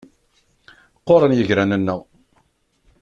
Qquren yigran-nneɣ.